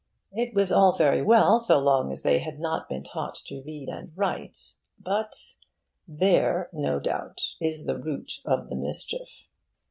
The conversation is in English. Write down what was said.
It was all very well so long as they had not been taught to read and write, but There, no doubt, is the root of the mischief.